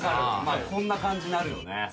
こんな感じになるよね。